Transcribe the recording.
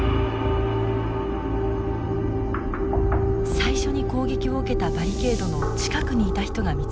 最初に攻撃を受けたバリケードの近くにいた人が見つかりました。